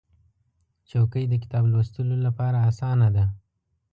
چوکۍ د کتاب لوستلو لپاره اسانه ده.